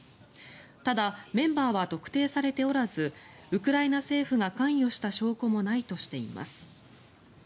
ただメンバーは特定されておらずウクライナ政府が関与した証拠もないとしています。